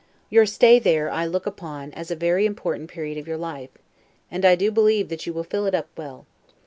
Your stay there I look upon as a very important period of your life; and I do believe that you will fill it up well.